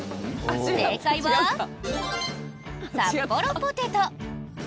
正解はサッポロポテト。